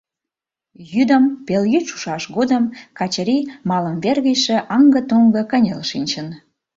Йӱдым, пелйӱд шушаш годым, Качыри малымвер гычше аҥге-туҥго кынел шинчын.